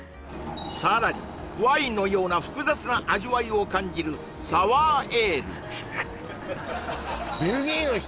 さらにワインのような複雑な味わいを感じるサワーエールベルギーの人